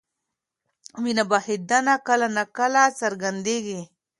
وینه بهېدنه کله ناکله څرګندېږي.